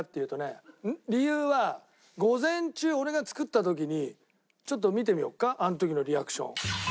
理由は午前中俺が作った時にちょっと見てみようかあの時のリアクション。